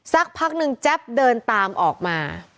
สักพักนึงแจ๊บเดินตามออกมา